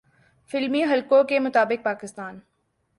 فلمی حلقوں کے مطابق پاکستان